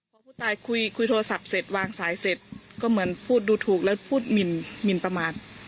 พอผู้ตายคุยคุยโทรศัพท์เสร็จวางสายเสร็จก็เหมือนพูดดูถูกแล้วพูดหมินประมาท